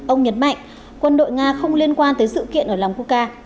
ông nhấn mạnh quân đội nga không liên quan tới sự kiện ở lòng bukha